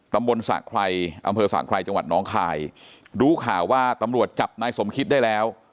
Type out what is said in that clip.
ตำบลสะไครอำเภอสะไครจังหวัดน้องคายรู้ข่าวว่าตำรวจจับนายสมคิดได้แล้ว